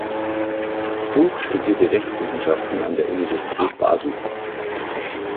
Hug studierte Rechtswissenschaften an der Universität Basel.